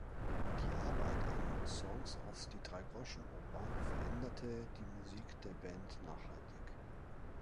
Die Arbeit an "Songs aus Die Dreigroschenoper" veränderte die Musik der Band nachhaltig.